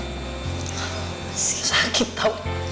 masih sakit tau